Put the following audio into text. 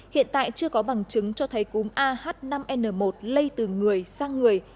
hiện tại chưa có bằng chứng cho thấy cúm ah năm n một lây từ người sang người